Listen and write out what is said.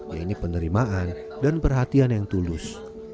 yaitu penerimaan dan perhatian yang tulus